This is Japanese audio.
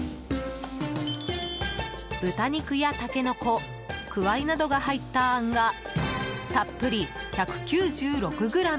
豚肉やタケノコ、クワイなどが入ったあんが、たっぷり１９６ｇ。